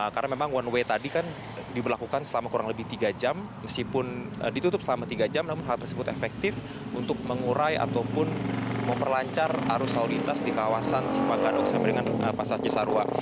karena memang one way tadi kan diberlakukan selama kurang lebih tiga jam meskipun ditutup selama tiga jam namun hal tersebut efektif untuk mengurai ataupun memperlancar arus lalu lintas di kawasan simpang gadok sama dengan pasar cisarwa